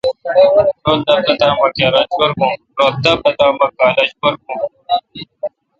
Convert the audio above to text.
رل دا پتا مہ کالج پر بھون